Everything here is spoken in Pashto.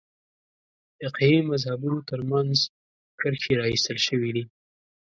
فقهي مذهبونو تر منځ کرښې راایستل شوې دي.